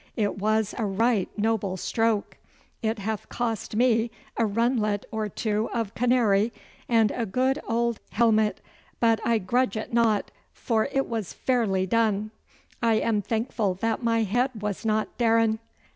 It was a right noble stroke. It hath cost me a runlet or two of canary, and a good old helmet; but I grudge it not, for it was fairly done. I am thankful that my head was not darin.